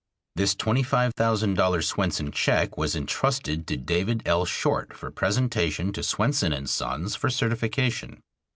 This twenty five thousand dollar Swenson check was intrusted to David L. Short for presentation to Swenson & Sons for certification.